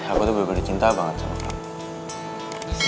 aku tuh bener bener cinta banget sama mama